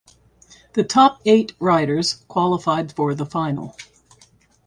The top eight riders qualified for the final.